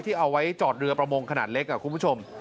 เอาไว้จอดเรือประมงขนาดเล็กคุณผู้ชม